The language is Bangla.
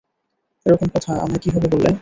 এরকম কথা আমায় কিভাবে বললে?